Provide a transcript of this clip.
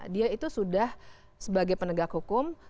dia itu sudah sebagai penegak hukum